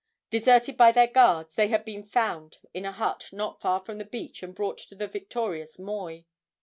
Deserted by their guards, they had been found in a hut not far from the beach and brought to the victorious moi.